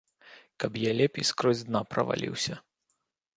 Каб я лепей скрозь дна праваліўся.